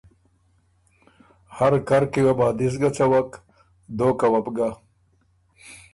هر کر کی وه بو ا دِست ګۀ څوَک، دوکه وه بو ګۀ